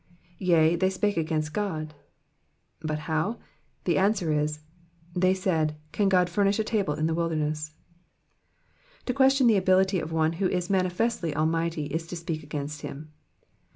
Yea^ they spake against Ood,'''* But how ? The answer is, *' They said. Can Ood furnish a table in the wilderness V To question the ability of one who is mam festly Almighty, is to speak ajjainst him.